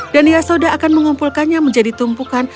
yasoda akan mengumpulkannya menjadi tumpukan